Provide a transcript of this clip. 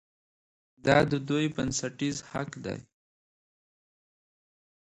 دا د دوی بنسټیز حق دی.